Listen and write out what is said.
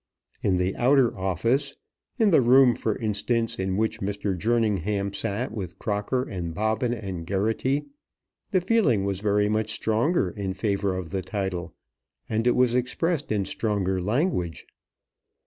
In the outer office, in the room, for instance, in which Mr. Jerningham sat with Crocker and Bobbin and Geraghty, the feeling was very much stronger in favour of the title, and was expressed in stronger language.